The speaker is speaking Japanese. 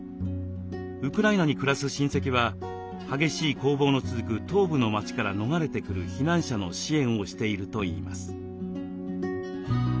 ウクライナに暮らす親戚は激しい攻防の続く東部の町から逃れてくる避難者の支援をしているといいます。